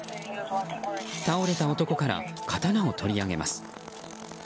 倒れた男から刀を取り上げます。